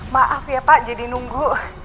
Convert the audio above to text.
maaf ya pak jadi nunggu